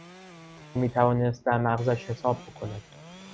او میتوانست در مغزش حساب بکند.